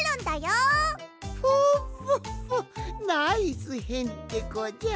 フォッフォッフォナイスへんてこじゃ！